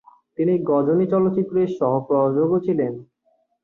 তিনি গজনী চলচ্চিত্রের সহ-প্রযোজকও ছিলেন।